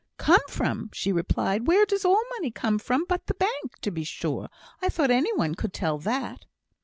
"Come from!" she replied. "Where does all money come from, but the bank, to be sure? I thought any one could tell that."